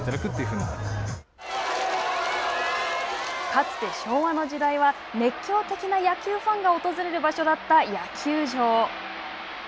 かつて昭和の時代は熱狂的な野球ファンが訪れる場所だった野球場。